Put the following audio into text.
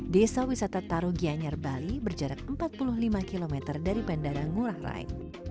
desa wisata taru gianyar bali berjarak empat puluh lima km dari bandara ngurah rai